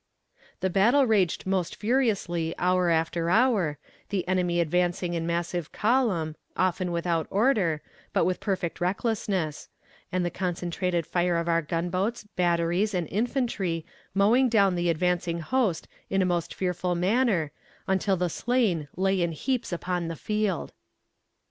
The battle raged most furiously hour after hour, the enemy advancing in massive column, often without order, but with perfect recklessness; and the concentrated fire of our gun boats, batteries and infantry mowing down the advancing host in a most fearful manner, until the slain lay in heaps upon the field.